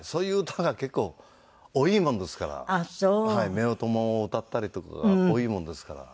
夫婦ものを歌ったりとかが多いものですから。